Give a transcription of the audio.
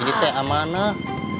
ini teh amanah